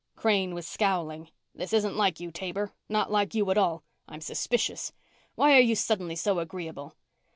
Crane was scowling. "This isn't like you, Taber not like you at all. I'm suspicious. Why are you suddenly so agreeable?"